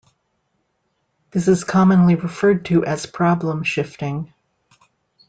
This is commonly referred to as problem shifting.